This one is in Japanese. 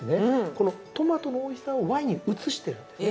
このトマトのおいしさをワインに移してるんですね。